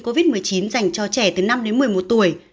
các thông tin covid một mươi chín dành cho trẻ từ năm một mươi một tuổi